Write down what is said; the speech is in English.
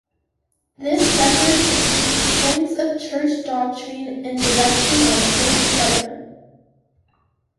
This record contains points of church doctrine and direction on church government.